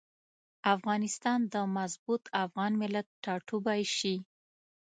افغانستان د مضبوط افغان ملت ټاټوبی شي.